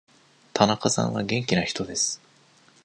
田中さんは元気な人です。